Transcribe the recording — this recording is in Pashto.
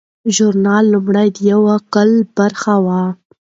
دا ژورنال لومړی د یو کلپ برخه وه.